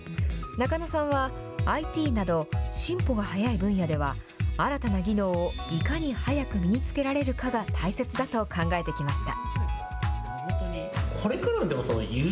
中野さんはＩＴなど進歩が早い分野では、新たな技能をいかに早く身につけられるかが大切だと考えてきました。